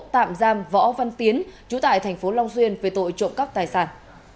tạm giam võ văn tiến chủ tại tp long xuyên về tội trộm cắp tài sản